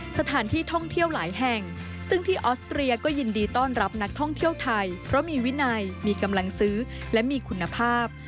สถานที่ท่องเที่ยวหลายแห่งซึ่งที่ออสเตรียก็ยินดีต้อนรับนักท่องเที่ยวไทยเพราะมีวินัยมีกำลังซื้อและมีคุณภาพ